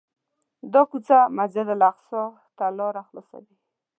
دا کوڅه مسجدالاقصی ته لاره خلاصوي.